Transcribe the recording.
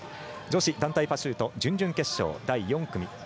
女子団体パシュート準々決勝、第４組。